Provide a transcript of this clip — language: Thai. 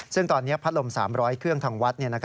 ซึ่งตอนนี้พัดลม๓๐๐เครื่องทางวัด